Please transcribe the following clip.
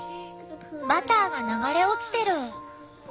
バターが流れ落ちてる！